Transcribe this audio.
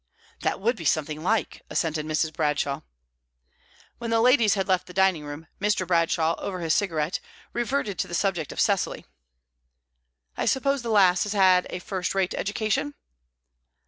"That would be something like!" assented Mrs. Bradshaw. When the ladies had left the dining room, Mr. Bradshaw, over his cigarette, reverted to the subject of Cecily. "I suppose the lass has had a first rate education?"